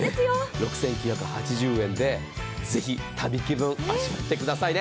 ６９８０円でぜひ旅気分味わってくださいね。